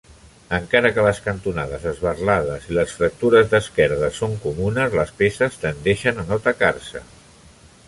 Encara que les cantonades esberlades i les fractures d'esquerdes són comunes, les peces tendeixen a no tacar-se.